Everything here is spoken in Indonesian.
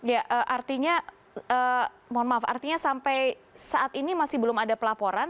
ya artinya mohon maaf artinya sampai saat ini masih belum ada pelaporan